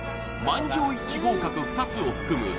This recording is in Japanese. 満場一致合格２つを含む